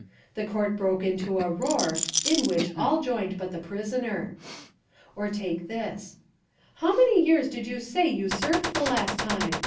The court broke into a roar, in which all joined but the prisoner...." Or take this: "How many years did you say you served the last time?"